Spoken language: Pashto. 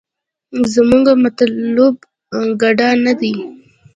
زمونګه مطلوب ګډا نه دې.